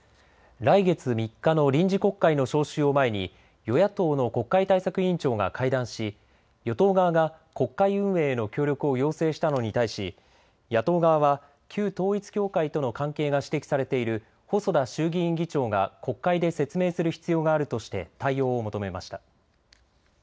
来月３日の臨時国会の召集を前に与野党の国会対策委員長が会談し与党側が国会運営への協力を要請したのに対し野党側は旧統一教会との関係が指摘されている細田衆議院議長が国会で説明する必要があるとして対応を求めました。